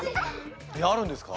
あるんですか？